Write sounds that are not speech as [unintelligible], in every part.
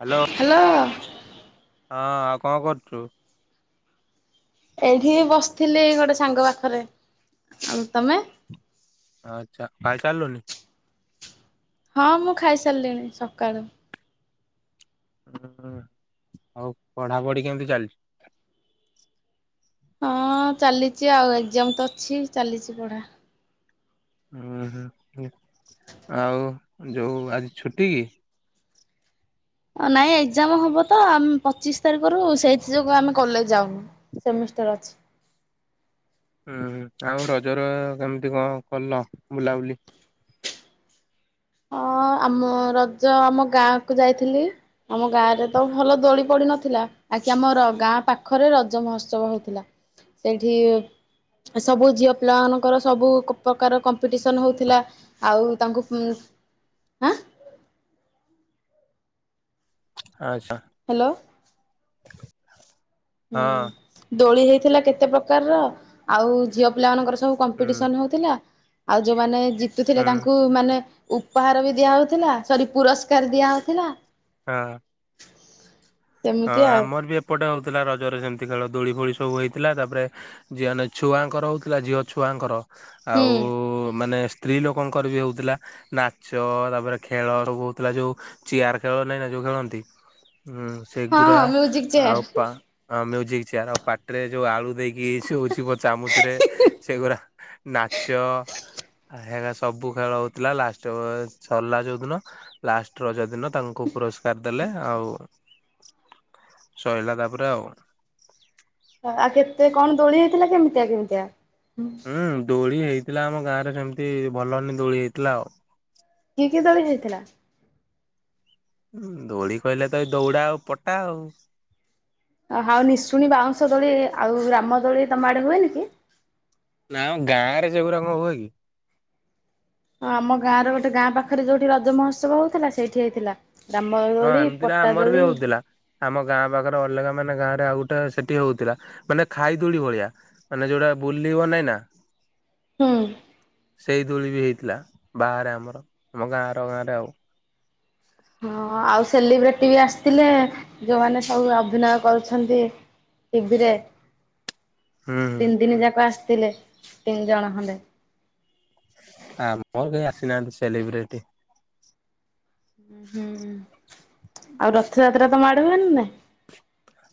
Hello. Hello. ହଁ ଆଉ କଅଁ କରୁଚୁ? ଏଇଠି ବସଥିଲି ଗୋଟେ ସାଙ୍ଗ ପାଖରେ ଆଉ ତମେ? ଆଚ୍ଛା ଖାଇ ସାଇଲୁଣି? ହଁ ମୁଁ ଖାଇସାରିଲିଣି ସକାଳୁ। ହୁଁ ହଉ ପଢାପଢି କେମତି ଚାଲିଚି? ହଁ ଚାଲିଚି ଆଉ ଏକ୍ସାମ୍ ତ ଅଛି ଚାଲିଚି ପଢା। ଉଁ ହୁଁ ହୁଁ ଆଉ ଯୋଉ ଆଜି ଛୁଟି କି? ନାଇଁ ଏକ୍ଜାମ ହବ ତ ଆମ ପଚିଶି ତାରିଖରୁ ସେଇଥି ଯୋଗୁ ଆମେ କଲେଜ ଯାଉନୁ। ସେମିଷ୍ଟାର ଅଛି। ହୁଁହୁଁ ଆଉ ରଜ ର କେମିତି କଣ କଲ ବୁଲାବୁଲି। ହଁ ଆମ ରଜ ଆମ ଗାଁ କୁ ଯାଇଥିଲି। ଆମ ଗାଁ ରେ ତ ଭଲ ଦୋଳି ପଡି ନଥିଲା। ଆଜି ଆମର ଗାଁ ପାଖରେ ରଜ ମହୋତ୍ସବ ହଉଥିଲା ସେଇଠି ସବୁ ଝିଅ ପିଲାମାନଙ୍କର ସବୁ ପ୍ରକାର କମ୍ପିଟିସନ୍ ହେଉଥିଲା। ଆଉ ତାଙ୍କୁ ଉମ ଆଁ। ଆଚ୍ଛା। ହ୍ୟାଲୋ। [unintelligible] ହଁ ହୁଁ ଦୋଳି ହେଇଥିଲା କେତେ ପ୍ରକାରର ଆଉ ଝିଅ ପିଲା ମାନଙ୍କର ସବୁ ହୁଁ କମ୍ପିଟିସନ ହଉଥିଲା ଆଉ ଯୋଉମାନେ ଜିତୁଥିଲେ ହୁଁ ତାଙ୍କୁ ମାନେ ଉପହାର ବି ଦିଆ ହଉଥିଲା ସରି ପୁରସ୍କାର ଦିଆ ହଉଥିଲା। ହଁ। [unintelligible] ହଁ ଆଉ ଆମର ବି ଏପଟେ ହଉଥିଲା ରଜରେ ସେମତି ଖେଳ ଦୋଳି ଫୋଳି ସବୁ ହେଇଥିଲା ତାପରେ ଝିଅ ନାଇ ଛୁଆଙ୍କର ହଉଥିଲା ଝିଅ ଛୁଆଙ୍କର ହୁଁ ଆଉ ମାନେ ସ ସ୍ତ୍ରୀ ଲୋକଙ୍କର ବି ହଉଥିଲା। ନାଚ ତାପରେ ଖେଳ ସବୁ ହଉଥିଲା ଯୋଉ ଚିୟାର ଖେଳ ନାଇଁ ନାଁ ଯୋଉ ଖେଳନ୍ତି। ହୁଁ ହଁ ସେଗୁରା ହଁ ମ୍ୟୁଜିକ ଚେୟାର ଆଉ ପା ମ୍ୟୁଜିକ୍ ଚେୟାର ଆଉ ପାଟିରେ ଯୋଉ ଆଳୁ ଦେଇକି ସେ ହୁଚି କଣ୍ ଚାମଚ ରେ ସେଗୁଡ଼ା ନାଚ ହେରା ସବୁ ଖେଳ ହଉଥିଲା ଲାଷ୍ଟ ବ୍-ସରିଲା ଯୋଉଦିନ। ଲାଷ୍ଟ ରଜ ଦିନ ତାଙ୍କୁ ପୁରସ୍କାର ଦେଲେ ଆଉ। ସଇଲା ତାପରେ ଆଉ। ଆଉ କେତେ କଣ ଦୋଳି ହେଇଥିଲା କେମତିଆ କେମତିଆ? ହୁଁ ଦୋଳି ହେଇଥିଲା ଆମ ଗାଁ ରେ ସେମତି ଭଲ ଭଲ ଦୋଳି ହେଇଥିଲା ଆଉ। କି କି ଦୋଳି ହେଇଥିଲା? ଦୋଳି କଇଲେ ତ ଏଇ ଦୌଡା ଆଉ ପଟା ଆଉ। ଅ ହାଉ ନିଶୁଣି ବାଉଁଶ ଦୋଳି ଆଉ ରାମଦୋଳି ତମ ଆଡେ ହୁଏନି କି? ନାଁମ ଗାଁରେ ସେଗୁରା କଣ୍ ହୁଏ କି? ଆଉ ଆମ ଗାଁ ର ଗୋଟେ ଗାଁ ପାଖରେ ଯୋଉଠି ରଜ ମହୋତ୍ସବ ହଉଥିଲା ସେଇଠି ହେଇଥିଲା। ରାମ ହଁ ଦୋଳି ଏମିତିରେ ପଟା ଆମର ବି ଦୋଳି। ହଉଥିଲା। ଆମ ଗାଁ ପାଖରେ ଅଲଗା ମାନେ ଗାଁରେ ଆଉ ଗୋଟେ ସେଠି ହଉଥିଲା ମାନେ ଖାଇ ଦୋଳି ଭଳିଆ। ମାନେ ଯୋଉଟା ବୁଲିବ ନାଇଁ ନାଁ। ହୁଁ। ସେଇ ଦୋଳି ବି ହେଇଥିଲା ବାହାରେ ଆମର ଆମ ଗାଁ ଆର ଗାଁରେ ଆଉ। ହଁ ଆଉ ସେଲିବ୍ରେଟି ବି ଆସଥିଲେ ଯୋଉମାନେ ସବୁ ଅଭିନୟ କରୁଛନ୍ତି। ଟିଭିରେ ହୁଁ ହୁଁ ତିନି ଦିନ ଯାକ ଆସିଥିଲେ ତିନି ଜଣ ଖଣ୍ଡେ। ଆମର କେହି ଆସିନାହାନ୍ତି ସେଲିବ୍ରେଟି। ହୁଁ, ଆଉ ରଥଯାତ୍ରା ତମ ଆଡେ ହୁଏ ନାଁ ନାଇଁ।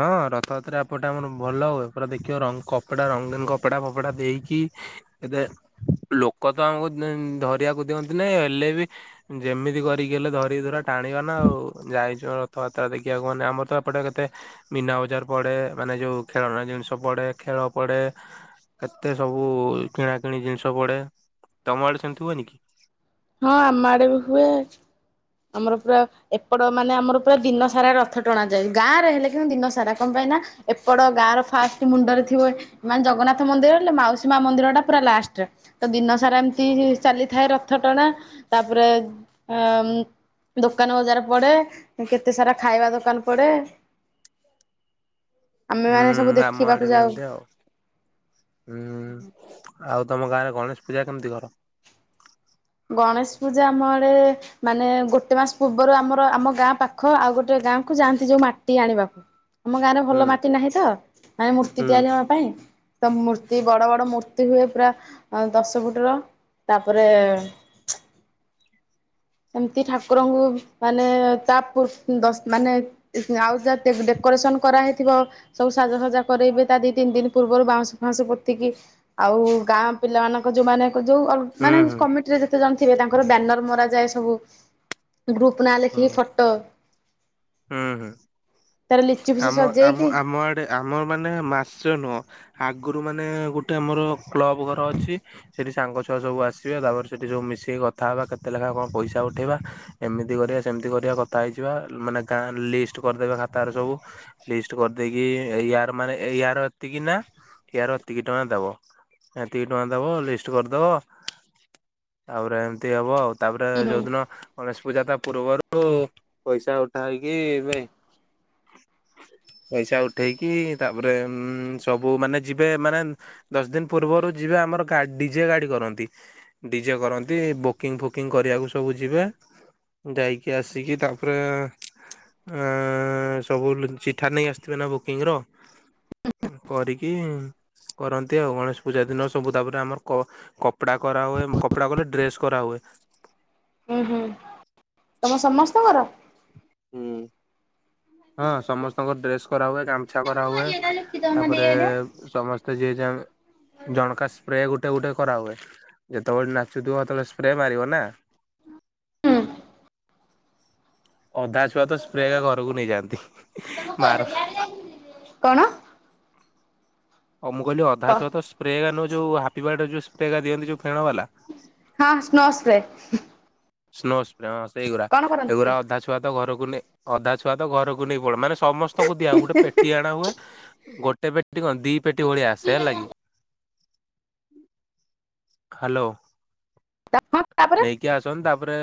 ହଁ ରଥଯାତ୍ରା ଏପଟେ ଆମର ଭଲ ହୁଏ ପୁରା ଦେଖିବ ରଙ୍ଗ କପଡା ରଙ୍ଗୀନ କପଡା ଫପଡା ଦେଇକି ଏବେ ଲୋକ ତ ଆମକୁ ଧରିବାକୁ ଦିଅନ୍ତି ନାଇ ହେଲେ ବି ଯେମିତି କରିକି ହେଲେ ଧରିିକି ଧରା ଟାଣିବା ନା ଆଉ ଯାଇଛୁ ରଥଯାତ୍ରା ଦେଖିବାକୁ ମାନେ ଆମର ତ ସେପଟେ କେତେ ମନା ବଜାର ପଡ଼େ ମାନେ ଯେୋଉ ଖେଳନା ଜିନିଷ ପଡ଼େ ଖେଳ ପଡ଼େ କେତେ ସବୁ କିଣା କିିଣି ଜିନିଷ ପଡେ ତମ ଆଡେ ସେମିତି ହୁଏନି କି। ହଁ ଆମ ଆଡେ ବି ହୁଏ। ଆମର ପୁରା ଏପଟ ମାନେ ଆମର ପୁରା ଦିନ ସାରା ରଥ ଟଣାଯାଏ ଗାଁରେ ହେଲେ କିନ୍ତୁ ଦିନ ସାରା କଣ ପାଇଁ ନା ଏପଟ ଗାଁ ର ଫାଷ୍ଟ ମୁଣ୍ଡରେ ଥିବ ମାନେ ଜଗନ୍ନାଥ ମନ୍ଦିର ହେଲେ ମାଉସୀ ମା ମନ୍ଦିର ଟା ପୁରା ଲାଷ୍ଟରେ ତ ଦିନ ସାରା ଏମିତି ଚାଲିଥାଏ ରଥ ଟଣା ତାପରେ ଆଉଁ। ଦୋକାନ ବଜାର ପଡେ କେତେ ସାରା ଖାଇବା ଦୋକାନ ପଡେ [inaudible] ଆମେ ମାନେ ସବୁ ହୁଁ ଆମ ଦେଖିବାକୁ ଆଡେ ବି ଯାଉ। ଏମିତି ଆଉ ହୁଁ। ଆଉ ତମ ଗାଁରେ ଗଣେଶ ପୂଜା କେମିତି କର ଗଣେଶ ପୂଜା ଆମଆଡ଼େ ମାନେ ଗୋଟେ ମାସ ପୂର୍ବରୁ ଆମର ଆମ ଗାଁ ପାଖ ଆଉ ଗୋଟେ ଗାଁ କୁ ଯାଆନ୍ତି ଯୋଉ ମାଟି ଆଣିବାକୁ। ଆମ ଗାଁରେ ହୁଁ ଭଲ ମାଟି ନାହିଁ ତ ମାନେ ହୁଁ ମୂର୍ତ୍ତି ତିଆରି ହବା ପାଇଁ ସ ମୂର୍ତ୍ତି ବଡ ବଡ ମୂର୍ତ୍ତି ହୁଏ ପୁରା ଦଶ ଫୁଟ ର ତାପରେ [unintelligible] ଏମତି ଠାକୁରଙ୍କୁ ମାନେ ତା ମାନେ ଆଉ ଯ ଡେକୋରେସନ କରା ହେଇଥିବ। ସବୁ ସାଜାସଜା କରରେବେ ତା ଦି ତିନି ଦିନ ପୂର୍ବରୁ ବାଉଁଶ ଫାଁସ ପୋତିକି ଆଉ ଗାଁ ପିଲାମାନାଙ୍କ ଯୋଉ ମାନ ଯୋଉ ଅଲଗା ହୁଁ ମାନେ ହୁଁ କମିଟି ରେ ଯେତେ ଜଣ ଥିବେ ତାଙ୍କର ବ୍ୟାନର ମରା ଯାଏ ସବୁ ଗ୍ରୁପ ନାଁ ହୁଁ। ଲେଖିକି ଫଟୋ। ହୁଁ ହୁଁ ତାର ଲିଚୁ ଫିଚୁ ଆମ ଆମ ସଜେଇକି ଆମ ଆଡ଼େ ଆମ ମାନେ ମାସ ନୁହଁ ଆଗରୁ ମାନେ ଗୋଟେ ଆମର କ୍ଲବ ଘର ଅଛି ସେଠି ସାଙ୍ଗ ଛୁଆ ସବୁ ଆସିବେ ତାପରେ ସେଇଠି ସବୁ ମିଶିକି କଥା ହେବା କେତ ଲେଖା କଣ ପଇସା ଉଠାଇବା। ଏମିତି କରିବା ସେମିତି କରିବା କଥା ହେଇଯିବା ମାନେ ଗାଁ ଲିଷ୍ଟ କରିଦେବା ଖାତାରେ ସବୁ। ଲିଷ୍ଟ କରିଦେଇକି ୟାର ମାନେ ୟାରତିକ ନା ୟାରତିକ ଟଙ୍କା ଦବ ଏତିକି ଟଙ୍କା ଦବ ଲିଷ୍ଟ କରିଦବ ତାପରେ ଏମିତି ହବ ଆଉ। ତାପରେ ହୁଁ ଯୋଉଦିନ ଗଣେଶ ପୂଜା ତା ପୂର୍ବରୁ ପଇସା ଉଠା ହେଇକି ଏ ପଇସା ଉଠେଇକି ତାପରେ ଉ ସବୁ ମାନେ ଯିବେ ମାନେ ଦଶ ଦିନ ପୂର୍ବରୁ ଯିବେ ଆମର ଡିଜେ ଗାଡି କରନ୍ତି। ଡିଜେ କରନ୍ତି ବୁକିଂ ଫୁକିଂ କରିବାକୁ ସବୁ ଯିବେ ଯାଇକି ଆସିକି ତାପରେ ଅ ସବୁ ଚିଠାରେ ନେଇକି ଆସିଥିବେ ନା ବୁକିଂ ର କରିକି ହିଁ କରନ୍ତି ଆଉ ଗଣେଶ ପୂଜା ଦିନ ସବୁ ତାପରେ ଆମର କପଡା କରାହୁଏ କପଡା କଲେ ଡ୍ରେସ କରା ହୁଏ। ହୁଁ ହୁଁ ତମ ସମସ୍ତଙ୍କର। ହୁଁ। ହଁ ସମସ୍ତଙ୍କ ଡ୍ରେସ କରାହୁଏ ଗାମୁଛା କରାହୁଏ ତାପରେ ସମସ୍ତେ ଯିଏ ଯାହା ଆମେ ଜଣକା ସ୍ପ୍ରେ ଗୋଟେ ଗୋଟେ ଗୋଟେ କରାହୁଏ ଯେତେବେଳେ ନାଚୁଥିବ ସେତେବେଳେ ସ୍ପ୍ରେ ମାରିବ ନା। ହୁଁ। ଅଧା ଛୁଆ ତ ସ୍ପ୍ରେ ଏକା ଘରକୁ ନେଇଯାଆନ୍ତି ମାରନ୍ତି ନି। କଣ। ହଉ ମୁ କହିଲି ହଁ ଅଧାଛୁଆ ସ୍ପ୍ରେ ମାନେ ଯୋଉ ହାପି ବାର୍ଥଡେ ଯୋ ସ୍ପ୍ରେ ଦିଅନ୍ତି ଯଉ ଫେଣ ବାଲା। ହଁ ସ୍ନୋ ସ୍ପ୍ରେ। ସ୍ନୋ ସ୍ପ୍ରେ ହଁ ସେଇଗୁଡା କଣ କରନ୍ତି ଏଗୁଡା ଅଧା ଛୁଆ ତ ଘରକୁ ନେଇ ଅଧା ଛୁଆ ତ ଘରକୁ ନେଇ ପଲେଇବେ ମାନେ ସମସ୍ତଙ୍କୁ ଦିଆ ଗୋଟେ ପେଟି ଆଣାହୁଏ ଗୋଟେ ପେଟି କଣ ଦି ପେଟି ଭଳିଆ ଆସେ ହେଲା କି? ହାଲୋ। [unintelligible] ତାପରେ। ଟିକେ ଆସନ୍ତି ତାପରେ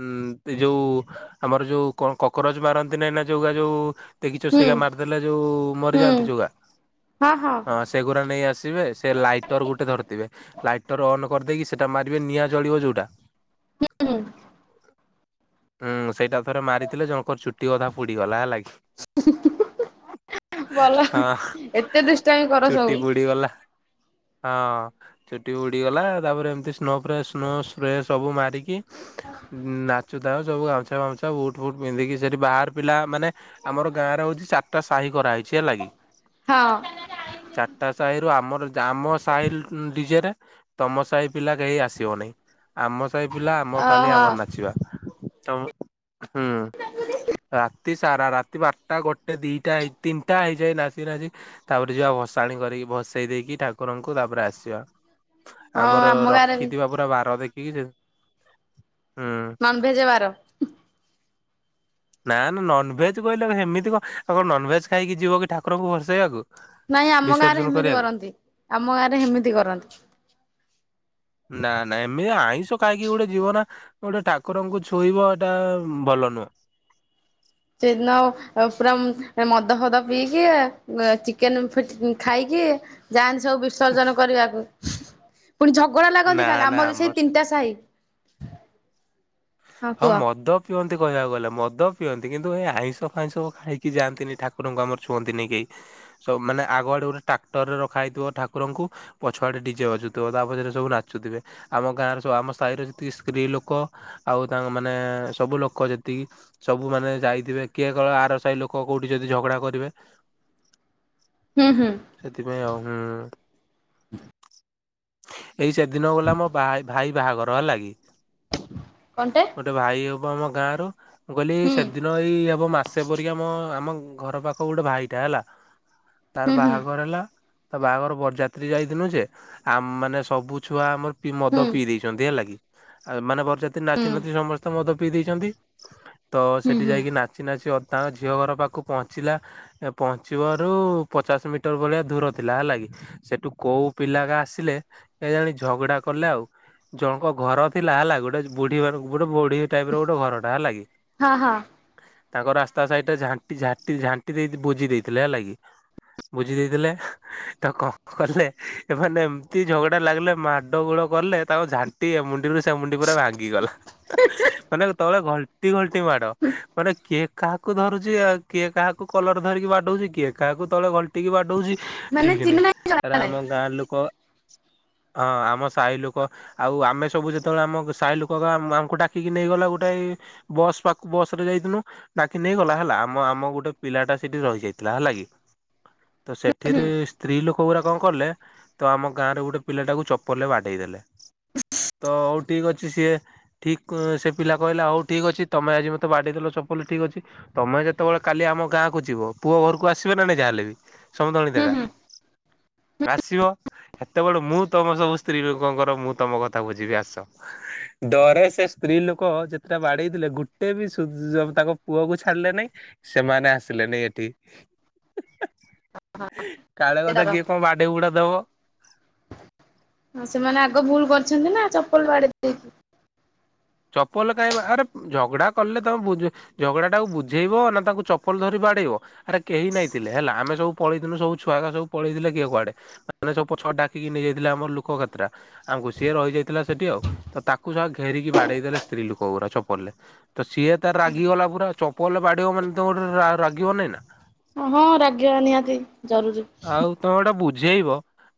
ଉଁ ଏ ଯୋଉ। ଆମର ଯୋଉ କଣ କକରୋଯ ମାରନ୍ତି ନାଇଁ ନା ଯୋଉା ଯୋଉ ଦେଖିଛ ହୁଁ ସେଇଗା ମାରିଦେଲେ ଯୋଉ ହୁଁ ମରିଯାଆନ୍ତି ଯଉଗା ହଁ। ସେଗୁଡ଼ା ନେଇ ଆସିବେ ସେ ଲାଇଟର ଗୋଟେ ଧରିଥିବେ ଲାଇ ଟର୍ ଅନ୍ କରିଦେଇି ସେଟା ମାରିବେ ନିଆଁ ଜଳିବ ଯେଉଁଟା ହୁଁ ଉୁଁ ସେଇଟା ଥରେ ମାରିଥିଲେ ଜଣଙ୍କର ଚୁଟି ଅଧା ପୁଡିଗଲା ହେଲା କିି? ଭଲ [inaudible] ହଁ ଏତେ ଦୁଷ୍ଟାମି କର ସବୁ ଚୁଟି ପୁଡିଗଲା ହଁ। ଚୁଟି ଉଡିଗଲା ତାପରେ ଏମତି ସ୍ନୋ ଫ୍ରେ ସ୍ନୋ ସ୍ପ୍ରେ ସବୁ ମାରିକି ନାଚୁ ସବୁ ଗାମଛା ଫାମୁଛ ବୁଟ ଫୁଟ୍ ପିନ୍ଧିକି ସେଠି ବାହାର ପିଲା ମାନେ ଆମର ଗାଁ ରେ ହଉଛି ଚାରିଟା ସାହି କରାହେଇଛି ହେଲା କି? ହଁ। ଚାରିଟା ସାହିରୁ ଆମର ଆମ ସାହି ଡିଜେରେ ତମ ସାହି ପିଲା କେହି ଆସିବ ନାହିଁ ଆମ ସାହି ପିଲା ଆମର କାଲି ଓହୋ। ଆମର ନାଚିବା। ତ ହୁଁ। ରାତି ସାରା ରାତି ବାରଟା ଗୋଟେ ଦିଟା ହେଇ ତିନିଟା ହେଇଯାଏ ନାଚି ନାଚି ତାପରେ ଯିବା ଭସାଣି କରିକି ଭସେଇ ଦେଇକି ଠାକୁରଙ୍କୁ ତାପରେ ଆସିବା। ହଁ ଆମର ଆମ ଗାଁରେ ବି ରଖିଥିବା ପୁରା ବାର ଦେଖିକି ସେ ହୁଁ। ନନଭେଜ ବାର। ନା ନା ନନଭେଜ କହିଲେ ହେମିତି କଣ ଆଉ କଣ ନନଭେଜ ଖାଇକି ଯିବ କି ଠାକୁରଙ୍କୁ ଭସେଇବାକୁ। ନାଇଁ ଆମ ଗାଁ ରେ ବିସର୍ଜନ ହେମିତି କରିବାକୁ। କରନ୍ତି ଆମ ଗାଁ ରେ ହେମିତି କରନ୍ତି। ନା ନା ଏମିତି ଆଇଁଶ ଖାଇକି ଗୋଟେ ଜିିବନା ଗୋଟେ ଠାକୁରଙ୍କୁ ଛୁଇଁବ ଏଟା ଭଲ ନୁହଁ। ସେଦିନ ପୁରା ମଦ ଫଦ ପିଇକି ଚିକେନ ଫି ଖାଇକି? ଯାଆନ୍ତି ସବୁ ବିସର୍ଜନ କରିବାକୁ। ପୁଣି ଝଗଡା ଲାଗନ୍ତି ନା ଖାଲି ନା ଆମର ବି ସେଇ ତିନିଟା ସାହି। ହଁ ମଦ ପିଅନ୍ତି କହିବାକୁ ଗଲେ ମଦ ପିଅନ୍ତି କିନ୍ତୁ ଏ ଆଇଁଷ ଫାଇଁସ ଖାଇକି ଯାଆନ୍ତିନି ଠାକୁରଙ୍କୁ ଆମର ଛୁଅନ୍ତିନି କେହି। ସବୁମାନେ ଆଗୁଆଡ଼େ ଗୋଟେ ଟ୍ରାକ୍ଟରରେ ରଖା ହେଇଥିବ ଠାକୁରଙ୍କୁ ପଛୁଆଡେ ଡିଜେ ବାଜୁଥିବ ତା ପଛରେ ସବୁ ନାଚୁଥିବେ। ଆମ ଗାଁର ସ ଆମ ସାହି ଯେତିକି ସ୍ତ୍ରୀ ଲୋକ ଆଉ ତାଙ୍କ ମାନେ ସବୁ ଲୋକ ଯେତିକି ସବୁ ମାନେ ଯାଇଥିବେ କିଏ କଳ ଆର ସାହି ଲୋକ କୋଉଠି ଯଦି ଝଗଡା କରିବେ [unintelligible] ହୁଁ ହୁଁ। ସେଥିପାଇଁ ଆଉ ହୁଁ। ଏଇ ସେଦିନ ଗଲା ମୋ ଭା ଭାଇ ବାହାଘର ହେଲା କି? କଣ ଟେ। ଗୋଟେ ଭାଇ ହବ ଆମ ଗାଁରୁ ମୁଁ କହିଲି ହୁଁ ସେଦିନ ଏଇ ହବ ମାସେ ପରିକି ଆମ ଆମ ଘର ପାଖ ଗୋଟେ ଭାଇଟା ହେଲା ତାର ହୁଁ ହୁଁ ବାହାଘର ହେଲା ତା ବାହାଘର ବରଯାତ୍ରୀ ଯାଇ [unintelligible] ଯେ ଆ ମାନେ ସବୁ ଛୁଆ ଆମର ହୁଁ ମଦ ପିଇ ଦେଇଛନ୍ତି ହେଲା କିି, ଆ ମାନେ ନାଚି ହୁଁ ନାଚି ସମସ୍ତେ ମଦ ପିଇ ଦେଇଛନ୍ତି, ତ ହୁଁ ସେଠି ହୁଁ। ଯାଇକି ନା ନାଚି ନାଚ ତାଙ୍କ ଝିଅ ଘର ପାଖକୁ ପହଞ୍ଚିଲା। ଏ ପହଞ୍ଚିବାରୁ ପଚାଶ ମିଟର ଭଳିଆ ଦୂର ଥିଲା, ହେଲା କିି, ସେଠୁ କୋଉ ପିଲାଗା ଆସିଲେ କେଜାଣି, ଝଗଡା କଲେ ଆଉ, ଜଣଙ୍କ ଘର ଥିଲା, ହେଲା, ଗୋଟେ ବୁଢୀ ମାନ ଗୋଟେ ବୁଢୀ ଟାଇପର ଗୋଟେ ଘର ଟା ହେଲା କି, ହଁ ହଁ ତାଙ୍କ ରାସ୍ତା ସାଇଡ ଟା ଝାଟିଝାଟି ଝାଣ୍ଟି ଦେଇ ବୋଜି ଦେଇଥିଲେ, ହେଲା କିି ବୁଝି ଦେଇଥିଲେ, ତ କଣ କଲେ ଏମାନେ ଏମିତି ଝଗଡା ଲାଗିଲେ, ମାଡ଼ ଗୋଳ କଲେ, ତାଙ୍କ ଝାଣ୍ଟି ଏମୁଣ୍ଡିରୁ ସେ ମୁୁଣ୍ଡି ପୁରା ଭାଙ୍ଗିଗଲା। ମାନେ, ତଳେ ଘଲଟି ଘଲଟି ମାଡ, ମାନେ କିଏ କାହାକୁ ଧରୁଛି ଆ କିଏ କାହାକୁ କଲର ଧରିକି ବାଡଉଛି, କିଏ କାହାକୁ ତଳେ ତିକି ବାଡଉଛି, ମାନେ ଠିକ୍ ଚିହ୍ନା ନାହିଁ କି, ଜଣା ନାହିଁ ଆମ ଗାଁ ଲୋକ? ହଁ, ଆମ ସାହି ଲୋକ ଆଉ ଆମେ ସବୁ ଯେତେବେଳେ ଆମ ସାହି ଲୋକ, ଆମକୁ ଡାକିକି ନେଇଗଲା ଗୋଟେଏ। ବସ୍ ପାଖୁ, ବସ୍ ରେ ଯାଇଥିଲୁ। ଡାକି ନେଇଗଲା, ହେଲା ଆମ ଆମ ଗୋଟେ ପିଲା ଟା ସେଠି ରହିଯାଇଥିଲା, ହେଲା କି ତ ସେଠିରେ ସ୍ତ୍ରୀ ଲୋକ ଗୁଡ଼ା କଣ କଲେ ତ ଆମ ଗାଁରେ ଗୋଟେ ପିଲାଟାକୁ ଚପଲରେ ବାଡେଇ ଦେଲେ। ତ ହଉ ଠିକ୍ ଅଛି, ସିଏ ଠିକ୍ ସେ ପିଲା କହିଲା, ହଉ ଠିକ୍ ଅଛି। ତମେ ଆଜି ମତେ ବାଡିଇଦେଲ ଚପଲରେ, ଠିକ୍ ଅଛି। ତମେ ଯେତେବେଳେ କାଲି ଆମ ଗାଁକୁ ଯିବ, ପୁଅ ଘରକୁ ଆସିବେ ନା? ନାହିଁ, ଯାହା ହେଲେବି ସମୁଦୁଣି ହୁଁ ଦେଖା। ହୁଁ ଆସିବ ସେତେବେଳେ ମୁଁ ତମ ସବୁ ସ୍ତ୍ରୀ ଲୋକଙ୍କର ମୁଁ ତମ କଥା ବୁଝିବି, ଆସ। [inaudible] ଡରେ ସେ ସ୍ତ୍ରୀ ଲୋକ ଯେତେଟା ବାଡେଇଥିଲେ, ଗୋଟେ ବି ସୁଯ୍ୟ ତାଙ୍କ ପୁଅ କୁ ଛାଡିଲେନି। ସେମାନେ ଆସିଲେନି ଏଠି, କାଳେ କଥା ସେଟାର। କିଏ କଣ ବାଡଈ ବୁଡ଼ା ଦବ। ହଁ, ସେମାନେ ଆଗ ଭୁଲ୍ କରିଛନ୍ତି ନା, ଚପଲ ବାଡେଇ ଦେଇକି। ଚପଲ କାଇଁବା? ଆରେ, ଝଗଡା କଲେ ତମ ବୁ ଝଗଡାଟା ବୁଝେଇବ ନା, ତାକୁ ଚପଲ ଧରି ବାଡେଇବ? ଆରେ, କେହି ନାଇଁଥିଲେ ହେଲା। ଆମେ ସବୁ ପଲେଇଥିଲୁ। ସବୁ ଛୁଆକା ସବୁ ପଳେଇଥିଲେ, କିଏ କୁଆଡେ ମାନେ ସବୁ ପଛ ଡାକିକି ନେଇଯାଇଥିଲି ଆମର ଲୋକ କେତେଟା? ଆମକୁ ସିଏ ରହିଯାଇଥିଲା ସେଠି। ଆଉ ତ ତାକୁ ସଳା ଘେରିକି ବାଡେଇ ଦେଲେ ସ୍ତ୍ରୀ ଲୋକ ଗୁରା ଚପଲ ରେ। ତ ସିଏ ତାର ରାଗିଗଲା। ପୁରା ଚପଲ ରେ ବାଡିବ, ମାନେ, ତମେ ଗୋଟେ ରାଗିବ ନାହିଁ ନା? ହଁ, ରାଗିବା ନିହାତି ଜରୁରୀ। ଆଉ ତମେ ଗୋଟା ବୁଝେଇବ।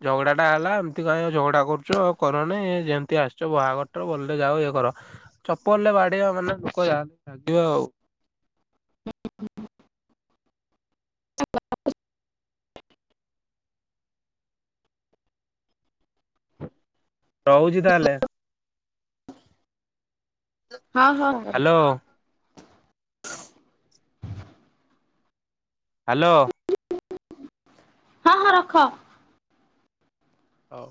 ଝଗଡା ଟା ହେଲା ଏମିତି କାହିଁ ଝଗଡା କରୁଛୁ? କରନି। ଯେମିତି ଆସିଛ, ବାହାଘରଟା ଭଲରେ ଯାଉ, ଇଏ କର। ଚପଲାରେ ବାଡ଼େଇବା ମାନେ [inaudible] ଆଉ ରହୁଛି ତାହେଲେ। ହଁ ହଁ। ହଁ ହାଲୋ। ହାଲୋ। ହଁ ହଁ, ରଖ। ହଉ।